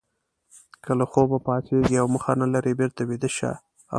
که له خوبه پاڅېږئ او موخه نه لرئ بېرته ویده شئ.